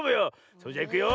それじゃいくよ。